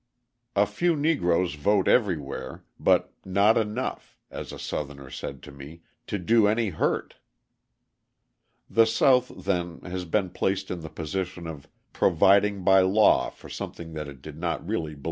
A few Negroes vote everywhere, "but not enough," as a Southerner said to me, "to do any hurt." The South, then, has been placed in the position of providing by law for something that it did not really believe in.